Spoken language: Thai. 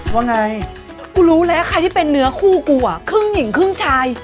ว่าไงกูรู้แล้วใครที่เป็นเนื้อคู่กูอ่ะครึ่งหญิงครึ่งชาย